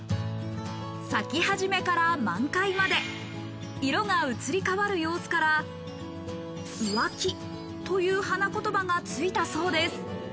咲き始めから満開まで色が移り変わる様子から浮気という花言葉がついたそうです。